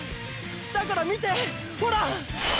だから見てほら！！